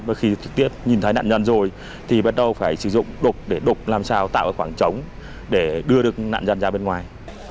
và khi trực tiếp nhìn thấy nạn nhân rồi thì bắt đầu phải sử dụng đục để đục làm sao tạo khoảng trống để đưa được nạn nhân ra bên ngoài